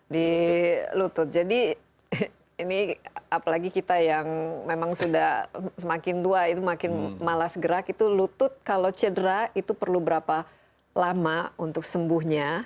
di lutut jadi ini apalagi kita yang memang sudah semakin tua itu makin malas gerak itu lutut kalau cedera itu perlu berapa lama untuk sembuhnya